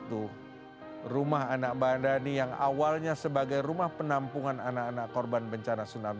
semua anak yang tinggal di rumah madani itu dan bergabung dengan anak anak dari sumatera utara yang tidak mampu